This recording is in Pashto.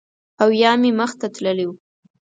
او یا مې مخ ته تللی و